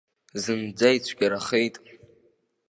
Зынӡа ицәгьарахеит.